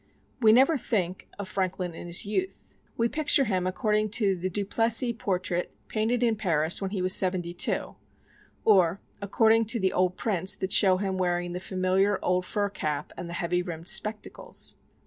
We never think of Franklin in his youth. We picture him according to the Duplessis (dew ples′ see) portrait painted in Paris when he was seventy two; or, according to the old prints that show him wearing the familiar old fur cap and the heavy rimmed spectacles.